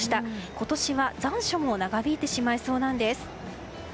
今年は残暑も長引いてしまいそうなんです。